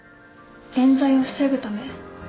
冤罪を防ぐためですか？